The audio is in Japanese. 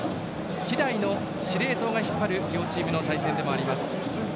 希代の司令塔が引っ張る両チームの対戦でもあります。